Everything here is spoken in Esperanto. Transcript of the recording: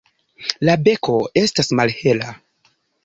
La beko estas malhela.